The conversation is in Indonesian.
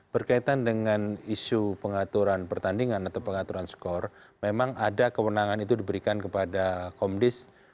berkaitan dengan isu pengaturan pertandingan atau pengaturan skor memang ada kewenangan itu diberikan kepada komdis